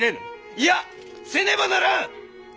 いやせねばならん！